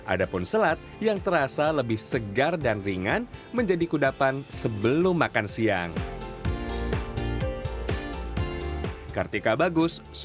ada pun selat yang terasa lebih segar dan ringan menjadi kudapan sebelum makan siang